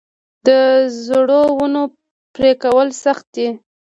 د زړو ونو پرې کول سخت دي؟